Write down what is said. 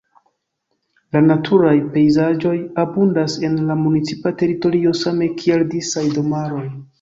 La naturaj pejzaĝoj abundas en la municipa teritorio same kiel disaj domaroj.